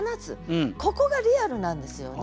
ここがリアルなんですよね。